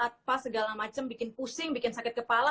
apa segala macam bikin pusing bikin sakit kepala